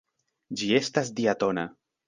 Ĝi estas diatona.